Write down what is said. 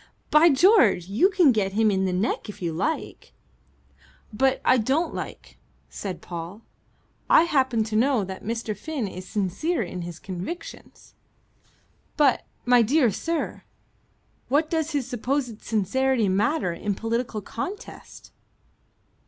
By George! you can get him in the neck if you like." "But I don't like," said Paul. "I happen to know that Mr. Finn is sincere in his convictions." "But, my dear sir, what does his supposed sincerity matter in political contest?"